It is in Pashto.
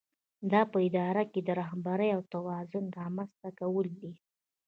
دا په اداره کې د رهبرۍ او توازن رامنځته کول دي.